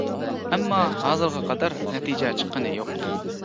ئەمما ھازىرغا قەدەر نەتىجە چىققىنى يوق.